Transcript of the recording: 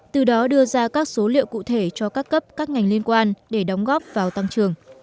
từ đó đưa ra các số liệu cụ thể cho các cấp các ngành liên quan để đóng góp vào tăng trường